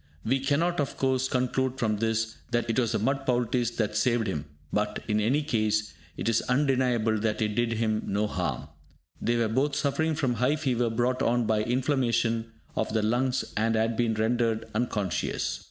We cannot, of course, conclude from this that it was the mud poultice that saved him, but, in any case, it is undeniable that it did him no harm. They were both suffering from high fever brought on by inflammation of the lungs, and had been rendered unconscious.